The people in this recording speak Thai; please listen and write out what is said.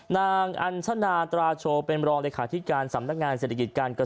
นางอัญชนาตราโชว์เป็นรองเลขาธิการสำนักงานเศรษฐกิจการเกษตร